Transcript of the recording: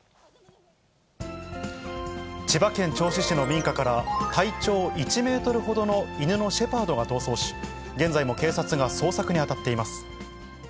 千葉県銚子市の民家から、体長１メートルほどの犬のシェパードが逃走し、現在も警察が捜索に当たっています。